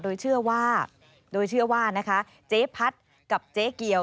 โดยเชื่อว่าเจ๊พัดกับเจ๊เกียว